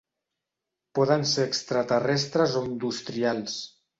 Poden ser extraterrestres o industrials.